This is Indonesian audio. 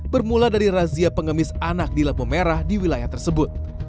bermula dari razia pengemis anak di lampu merah di wilayah tersebut